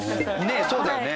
ねえそうだよね。